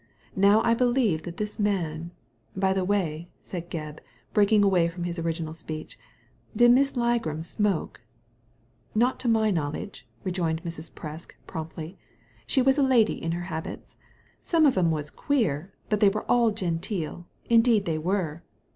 Now I believe that this man By the way," said Gebb, breaking away from his original speech, "did Miss Ligram smoke ?" "Not to my knowledge," rejoined Mrs. Presk, promptly. "She was a lady in her habits. Some of 'em was queer, but they were all genteel ; indeed they were."